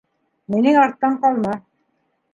— Минең арттан ҡалма.